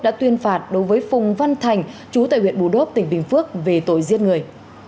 đã tuyên phạt đối với phùng văn thành chú tại huyện bù đốp tỉnh bình phước về tội giết người